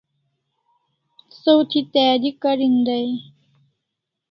Saw thi tayari karin dai e?